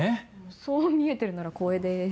そう見えてるなら光栄です。